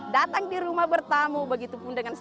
datang di rumah bertamu begitu pun dengan saya